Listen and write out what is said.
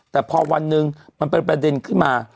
แต่พอวันหนึ่งมันเป็นประเด็นขึ้นมา